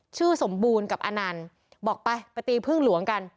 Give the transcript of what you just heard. สมบูรณ์กับอนันต์บอกไปไปตีพึ่งหลวงกัน